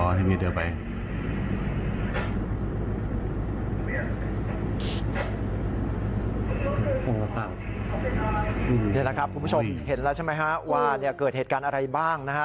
นี่แหละครับคุณผู้ชมเห็นแล้วใช่ไหมฮะว่าเกิดเหตุการณ์อะไรบ้างนะฮะ